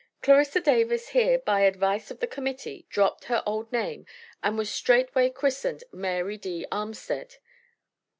Clarissa Davis here, by advice of the Committee, dropped her old name, and was straightway christened "Mary D. Armstead."